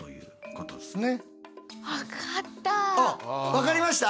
わかりました？